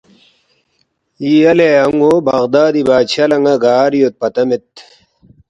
”یا لہ ان٘و بغدادی بادشاہ لہ ن٘ا گار یود پتہ مید